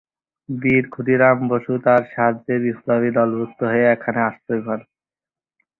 বীর ক্ষুদিরাম বসু তার সাহায্যে বিপ্লবী দলভুক্ত হয়ে এখানে আশ্রয় পান।